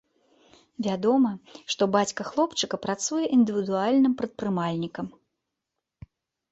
Вядома, што бацька хлопчыка працуе індывідуальным прадпрымальнікам.